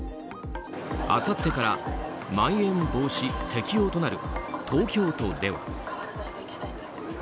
あさってからまん延防止適用となる東京都では。